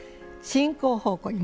進行方向に。